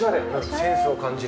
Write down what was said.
センスを感じる。